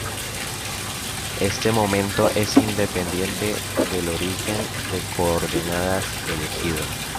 Este momento es independiente del origen de coordenadas elegido.